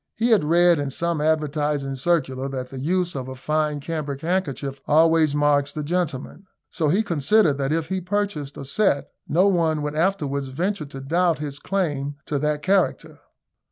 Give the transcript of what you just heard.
He had read in some advertising circular that the use of a fine cambric handkerchief always marks the gentleman; so he considered that if he purchased a set, no one would afterwards venture to doubt his claim to that character.